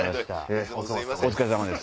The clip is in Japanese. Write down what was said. お疲れさまです。